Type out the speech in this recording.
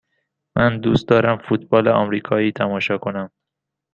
من دوست دارم فوتبال آمریکایی تماشا کنم.